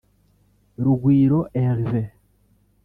Rugwiro Hervé